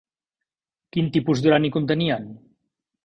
Quin tipus d'urani contenien?